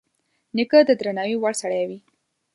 نیکه د درناوي وړ سړی وي.